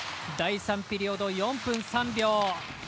第３ピリオド、４分３秒。